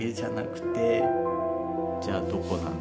じゃあどこなんだ？